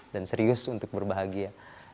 dan serius untuk berbahagia